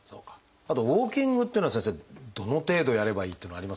あとウォーキングっていうのは先生どの程度やればいいっていうのはありますか？